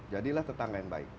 jadilah tetangga yang baik